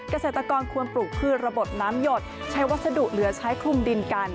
เกษตรกรควรปลูกพืชระบบน้ำหยดใช้วัสดุเหลือใช้คลุมดินกัน